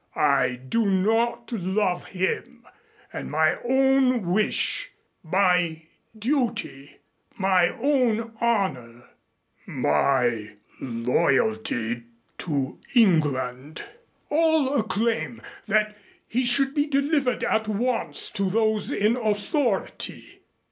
I do not love him; and my own wish, my duty, my own honor, my loyalty to England all acclaim that he should be delivered at once to those in authority.